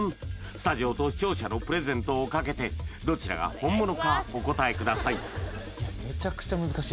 スタジオと視聴者のプレゼントをかけてどちらが本物かお答えください